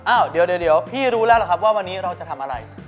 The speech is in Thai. อ้าวเดี๋ยวพี่รู้แล้วล่ะครับว่าวันนี้เราจะทำอะไร